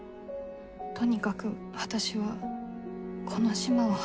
とにかく私はこの島を離れたい。